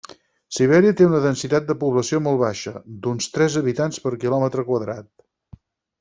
Sibèria té una densitat de població molt baixa, d'uns tres habitants per quilòmetre quadrat.